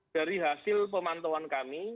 dari hasil pemantauan kami